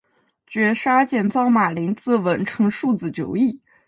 绝杀，减灶马陵自刎，成竖子矣